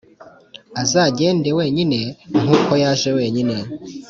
azagende wenyine nkuko yaje wenyine